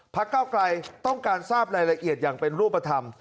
เก้าไกลต้องการทราบรายละเอียดอย่างเป็นรูปธรรม